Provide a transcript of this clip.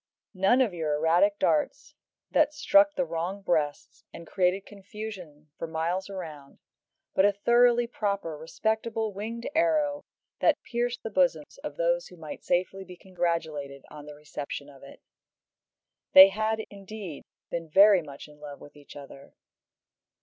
None of your erratic darts that struck the wrong breasts, and created confusion for miles round, but a thoroughly proper, respectable winged arrow that pierced the bosoms of those who might safely be congratulated on the reception of it. They had, indeed, been very much in love with each other.